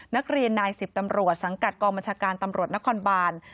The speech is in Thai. นักเรียนนาย๑๐ตำรวจสังกัดกองบัญชาการตำรวจนครบาน